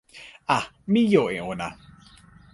a, mi jo e ona.